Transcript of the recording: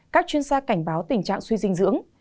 các chuyên gia cảnh báo tình trạng suy dinh dưỡng